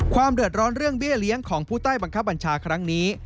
ความเดือดร้อนเรื่องเบี้ยเลี้ยงของผู้ใต้บังคับบัญชาครั้งนี้